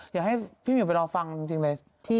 อยากให้พี่มิวไปรอฟังจริงเลย